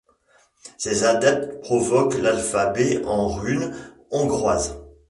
Ces adeptes promeuvent l'alphabet en runes hongroises.